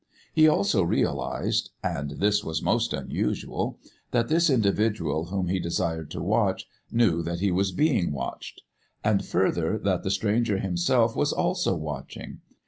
He also realised and this was most unusual that this individual whom he desired to watch knew that he was being watched. And, further, that the stranger himself was also watching!